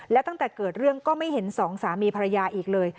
และตั้งแต่เกิดเรื่องก็ไม่เห็นสองสามีภรรยาอีกเลย